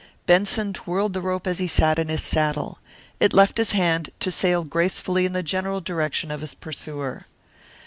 Benson twirled the rope as he sat in his saddle. It left his hand, to sail gracefully in the general direction of his pursuer.